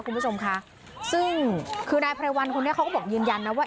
คุณผู้ชมค่ะซึ่งคือนายไพรวัลคนนี้เขาก็บอกยืนยันนะว่า